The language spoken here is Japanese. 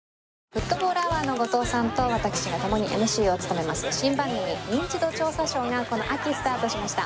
フットボールアワーの後藤さんと私が共にＭＣを務めます新番組『ニンチド調査ショー』がこの秋スタートしました。